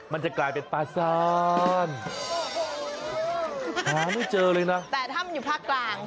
มันจะกลายเป็นปลาซานหาไม่เจอเลยนะแต่ถ้ำอยู่ภาคกลาง